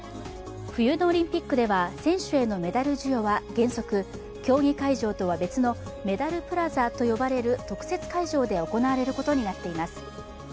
冬のオリンピックでは選手へのメダル授与は原則、競技会場とは別のメダルプラザと呼ばれる特設会場で行われることになっています。